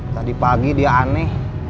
tadi pagi dia aneh